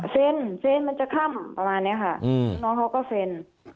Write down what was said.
เซ็นมันจะค่ำประมาณนี้ค่ะน้องเขาก็เซ็น